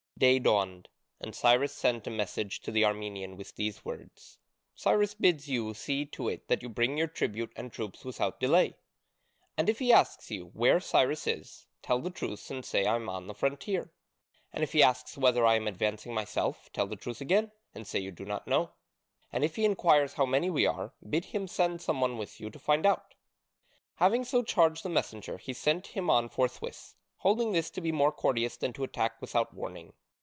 Day dawned, and Cyrus sent a messenger to the Armenian with these words: "Cyrus bids you see to it that you bring your tribute and troops without delay." "And if he asks you where Cyrus is, tell the truth and say I am on the frontier. And if he asks whether I am advancing myself, tell the truth again and say that you do not know. And if he enquires how many we are, bid him send some one with you to find out." Having so charged the messenger he sent him on forthwith, holding this to be more courteous than to attack without warning.